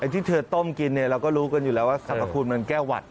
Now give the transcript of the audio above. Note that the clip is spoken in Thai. ที่เธอต้มกินเนี่ยเราก็รู้กันอยู่แล้วว่าสรรพคุณมันแก้วหวัด